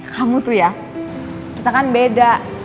kamu tuh ya kita kan beda